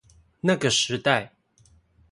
那個時代